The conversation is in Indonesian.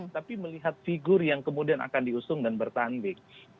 tapi melihat figur yang kemudian akan diusung dan bertanding